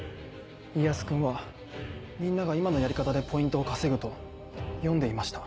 家康君はみんなが今のやり方でポイントを稼ぐと読んでいました。